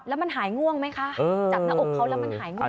แล้วมันหายง่วงไหมคะจับหน้าอกเขาแล้วมันหายง่วง